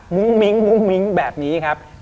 มุ่งมิ้งแบบนี้ครับ